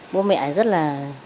bố mẹ rất là